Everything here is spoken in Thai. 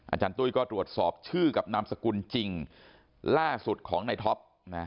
อาจารย์ตุ้ยก็ตรวจสอบชื่อกับนามสกุลจริงล่าสุดของในท็อป